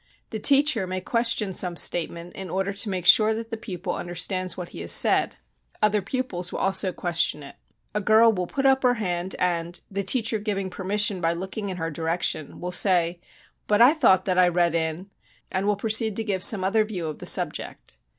The teacher may question some statement in order to make sure that the pupil understands what he has said, other pupils will also question it. A girl will put up her hand and (the teacher giving permission by looking in her direction) will say, 'But I thought that I read in ' and will proceed to give some other view of the subject.